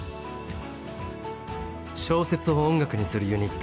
「小説を音楽にするユニット」